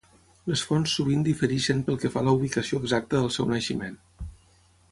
Les fonts sovint difereixen pel que fa a la ubicació exacta del seu naixement.